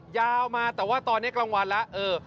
ยาวมาแต่ว่าตอนนี้กลางวันแล้ว